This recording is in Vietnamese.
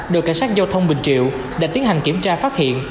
đội cảnh sát giao thông bình triệu đã tiến hành kiểm tra phát hiện